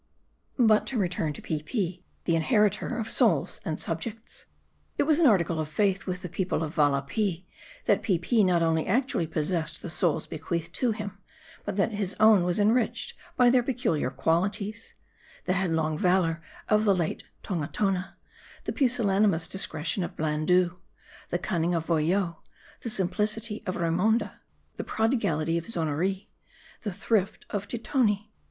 But to return to Peepi, the inheritor of souls and subjects. It was an article of faith with the people of Valapee, that Peepi not only actually possessed the souls bequeathed to him ; but that his own was enriched by their peculiar qual ities : The headlong valor of the late Tongatona ; the pusillanimous discretion of Blandoo ; the cunning of Voyo ; the simplicity of Raymonda ; the prodigality of Zonoree ; the thrift of Titonti.